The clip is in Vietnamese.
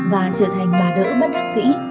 và trở thành bà đỡ bất đắc dĩ